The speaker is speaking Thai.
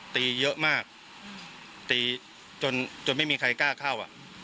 ตีเยอะมากตีจนไม่มีใครกล้าเข้า